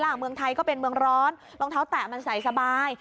เมืองไทยก็เป็นเมืองร้อนรองเท้าแตะมันใส่สบาย